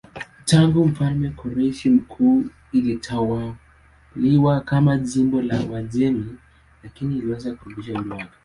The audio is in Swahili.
Tangu mfalme Koreshi Mkuu ilitawaliwa kama jimbo la Uajemi lakini iliweza kurudisha uhuru wake.